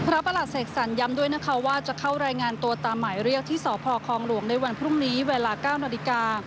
ประหลัดเสกสรรย้ำด้วยนะคะว่าจะเข้ารายงานตัวตามหมายเรียกที่สพคองหลวงในวันพรุ่งนี้เวลา๙นาฬิกา